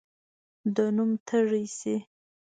د نوم تږی شي.